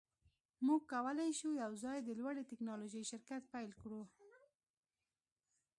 موږ کولی شو یوځای د لوړې ټیکنالوژۍ شرکت پیل کړو